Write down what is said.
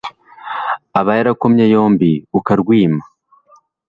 aba yarakomye yombi ukarwima